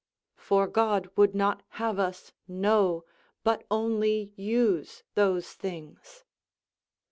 _ "For God would not have us know, but only use those things."